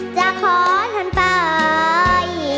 จะขอทันไป